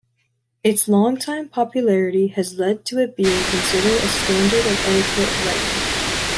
Its longtime popularity has led to it being considered a standard of etiquette writing.